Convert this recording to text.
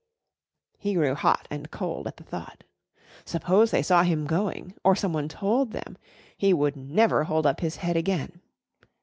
He grew hot and cold at the thought. Suppose they saw him going or someone told them he would never hold up his head again.